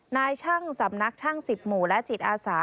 นายช่างสำนักช่าง๑๐หมู่และจิตอาสา